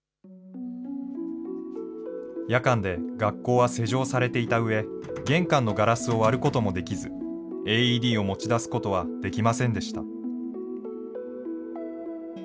夜間で学校は施錠されていたうえ、玄関のガラスを割ることもできず、ＡＥＤを持ち出すことはできませんでした。